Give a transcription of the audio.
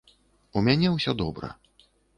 У мяне ўсё добра.